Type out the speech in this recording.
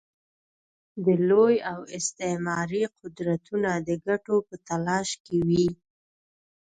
د لوی او استعماري قدرتونه د ګټو په تلاښ کې وي.